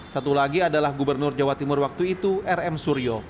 satu lagi adalah gubernur jawa timur waktu itu rm suryo